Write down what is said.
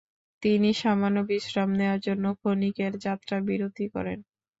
তিনি সামান্য বিশ্রাম নেয়ার জন্য ক্ষণিকের যাত্রা বিরতি করেন।